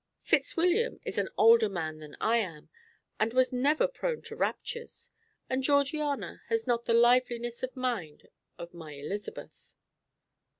Fitzwilliam is an older man than I am, and was never prone to raptures, and Georgiana has not the liveliness of mind of my Elizabeth."